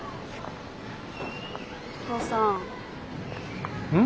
お父さん。